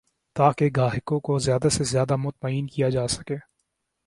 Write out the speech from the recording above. تاکہ گاہکوں کو زیادہ سے زیادہ مطمئن کیا جا سکے